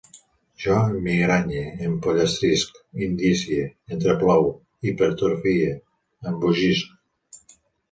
Jo emmigranye, empollastrisc, indicie, entreplou, hipertrofie, embogisc